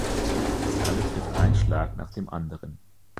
Sie alle trifft ein Schlag nach dem anderen.